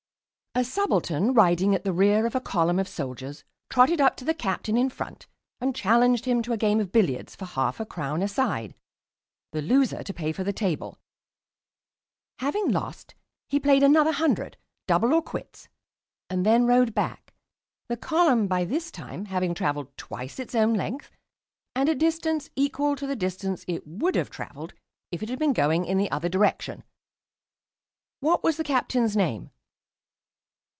"A subaltern riding at the rear of a column of soldiers trotted up to the captain in front and challenged him to a game of billiards for half a crown a side, the loser to pay for the table. Having lost, he played another hundred, double or quits, and then rode back, the column by this time having travelled twice its own length, and a distance equal to the distance it would have travelled if it had been going in the other direction. What was the captain's name?"